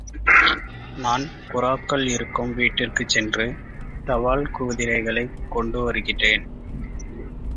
நான் புறாக்கள் இருக்கும் வீட்டிற்குச் சென்று தபால் குதிரைகளைக் கொண்டு வருகிறேன்.